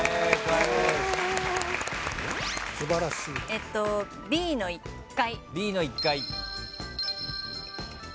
えっとＢの１階。